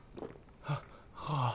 はっはあ。